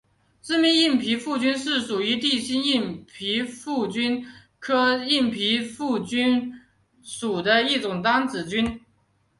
致密硬皮腹菌是属于地星目硬皮腹菌科硬皮腹菌属的一种担子菌。